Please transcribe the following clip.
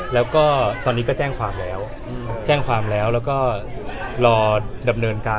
แล้วก็ตอนนี้ก็แจ้งความแล้วแจ้งความแล้วแล้วก็รอดำเนินการ